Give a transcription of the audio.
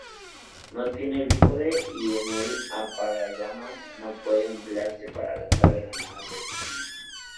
No tiene bípode y el apagallamas no puede emplearse para lanzar granadas de fusil.